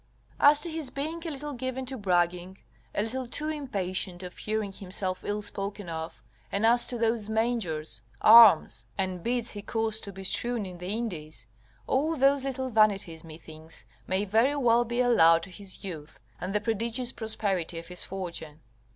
As to his being a little given to bragging, a little too impatient of hearing himself ill spoken of, and as to those mangers, arms, and bits he caused to be strewed in the Indies, all those little vanities, methinks, may very well be allowed to his youth, and the prodigious prosperity of his fortune.